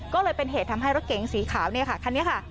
ก็เลยเป็นเหตุทำให้รถเก๋งสีขาวเนี่ยค่ะคันนี้ค่ะ